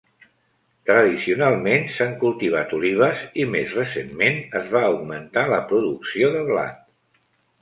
Tradicionalment s'han cultivat olives i més recentment es va augmentar la producció de blat.